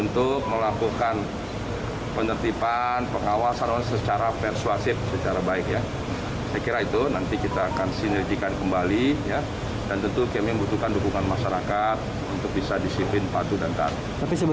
tapi sebenarnya boleh gak sih pak olahraga skateboard itu pak